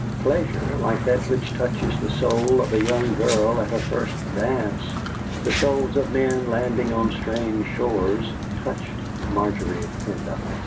Pleasure, like that which touches the soul of a young girl at her first dance, the souls of men landing on strange shores, touched Margery Pendyce.